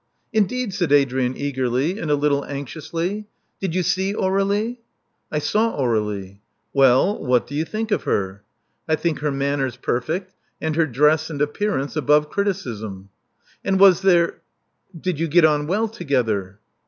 Indeed?" said Adrian eagerly, and a little anxiously. *'Did you see Aur^lie?*' "I saw Aurelie." "Well? What do you think of her?" "I think her manners perfect, and her dress and appearance above criticism." "And was there — did you get on well together?"